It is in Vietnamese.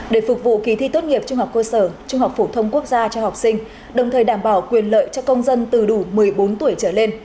để phục vụ kỳ thi tốt nghiệp trung học cơ sở trung học phổ thông quốc gia cho học sinh đồng thời đảm bảo quyền lợi cho công dân từ đủ một mươi bốn tuổi trở lên